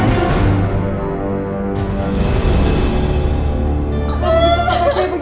kenapa dok apa adik saya hamil dok